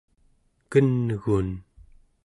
ken'gun¹